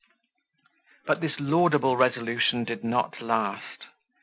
But this laudable resolution did not last.